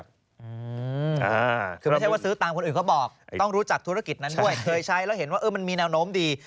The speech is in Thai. คือไม่ใช่ว่าซื้อตามคนอื่นเขาบอกต้องรู้จักธุรกิจนั้นด้วยเคยใช้แล้วเห็นว่าเออมันมีแนวโน้มดี